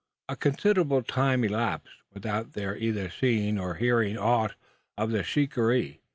A considerable time elapsed, without their either seeing or hearing aught of the shikaree.